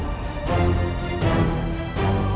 tindakan terima nih